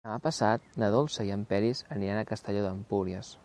Demà passat na Dolça i en Peris aniran a Castelló d'Empúries.